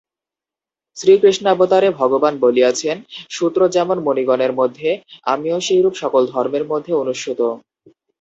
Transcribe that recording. শ্রীকৃষ্ণাবতারে ভগবান বলিয়াছেন সূত্র যেমন মণিগণের মধ্যে, আমিও সেইরূপ সকল ধর্মের মধ্যে অনুস্যূত।